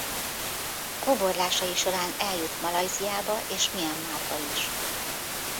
Kóborlásai során eljut Malajziába és Mianmarba is.